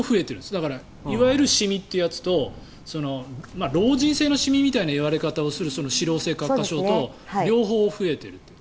だから、いわゆるシミってやつと老人性のシミみたいな言われ方をする脂漏性角化症と両方増えてる。